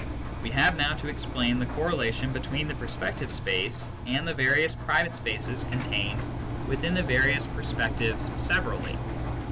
We have now to explain the correlation between the per spective space and the various private spaces contained within the various perspectives severally.